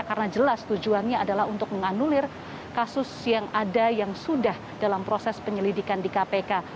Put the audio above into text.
karena jelas tujuannya adalah untuk menganulir kasus yang ada yang sudah dalam proses penyelidikan di kpk